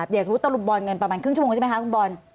อย่างสมมุตรตลุบบอนมาประมาณครึ่งชั่วโมงใช่ไหมครับคุณบอน